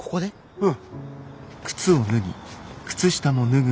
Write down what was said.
うん。